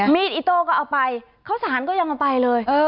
อิโต้ก็เอาไปข้าวสารก็ยังเอาไปเลย